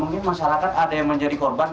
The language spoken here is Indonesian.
mungkin masyarakat ada yang menjadi korban